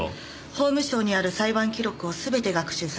法務省にある裁判記録を全て学習させてます。